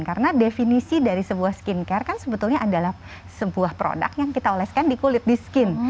karena definisi dari sebuah skincare kan sebetulnya adalah sebuah produk yang kita oleskan di kulit di skin